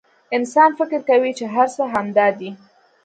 انسان فکر کوي چې هر څه همدا دي.